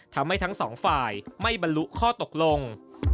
ทั้งสองฝ่ายไม่บรรลุข้อตกลง